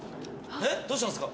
どうしたんすか？